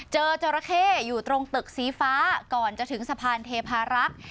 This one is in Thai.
จราเข้อยู่ตรงตึกสีฟ้าก่อนจะถึงสะพานเทพารักษ์